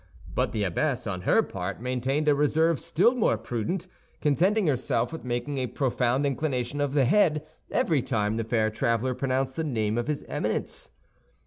But the abbess, on her part, maintained a reserve still more prudent, contenting herself with making a profound inclination of the head every time the fair traveler pronounced the name of his Eminence.